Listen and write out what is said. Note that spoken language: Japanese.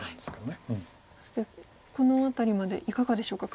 そしてこの辺りまでいかがでしょうか。